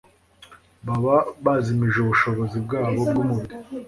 baba bazimije ubushobozi bwabo bwumubiri